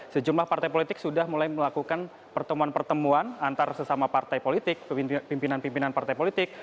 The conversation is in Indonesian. sejumlah partai politik sudah mulai melakukan pertemuan pertemuan antar sesama partai politik pimpinan pimpinan partai politik